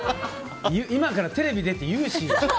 今からテレビ出て言うし。